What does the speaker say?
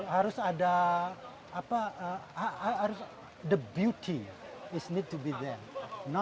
harus ada apa harus ada keindahan harus ada di sana